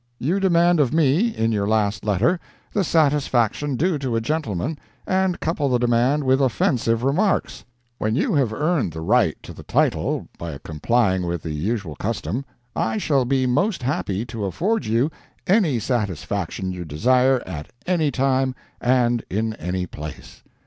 You demand of me, in your last letter, the satisfaction due to a gentleman, and couple the demand with offensive remarks. When you have earned the right to the title by complying with the usual custom, I shall be most happy to afford you any satisfaction you desire at any time and in any place.